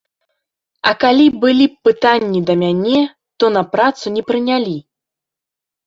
А калі былі б пытанні да мяне, то на працу не прынялі.